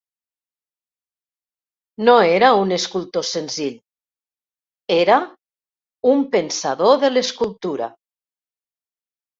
No era un escultor senzill; era un pensador de l'escultura.